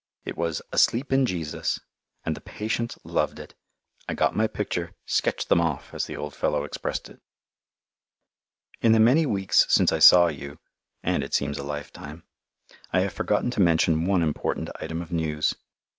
It was "Asleep in Jesus," and the patients loved it! I got my picture, "sketched them off," as the old fellow expressed it. In the many weeks since I saw you and it seems a lifetime I have forgotten to mention one important item of news.